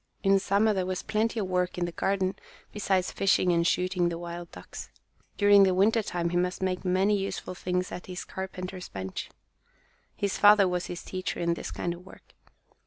In summer there was plenty of work in the garden, besides fishing and shooting the wild ducks. During the winter time he must make many useful things at his carpenter's bench. His father was his teacher in this kind of work.